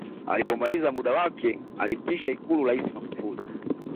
alipomaliza muda wake alimpisha ikulu raisi magufuli